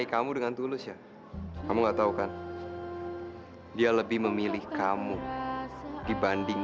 kak renda harus ikut sama tiara ya